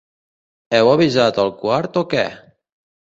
Heu avisat al quart o què?